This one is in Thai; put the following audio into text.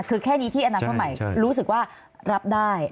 คือแค่นี้ที่อนาคตใหม่รู้สึกว่ารับได้